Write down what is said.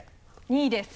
２位です。